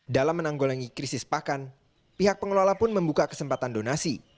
dalam menanggulangi krisis pakan pihak pengelola pun membuka kesempatan donasi